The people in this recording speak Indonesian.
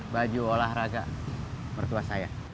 salah raga perjuang saya